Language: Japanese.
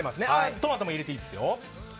トマトも入れていいですよ。